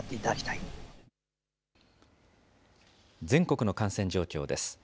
全国の感染状況です。